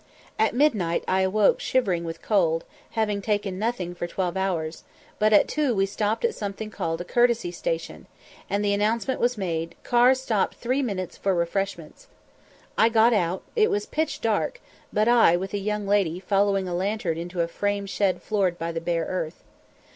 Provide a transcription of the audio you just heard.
At midnight I awoke shivering with cold, having taken nothing for twelve hours; but at two we stopped at something called by courtesy a station, and the announcement was made, "Cars stop three minutes for refreshments." I got out; it was pitch dark; but I, with a young lady, followed a lantern into a frame shed floored by the bare earth.